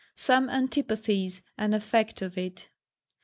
Some Antipathies an Effect of it.